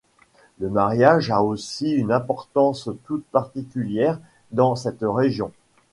Le mariage a aussi une importance toute particulière dans cette région.